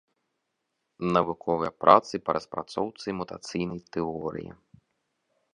Навуковыя працы па распрацоўцы мутацыйнай тэорыі.